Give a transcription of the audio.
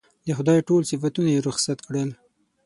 د خدای ټول صفتونه یې رخصت کړل.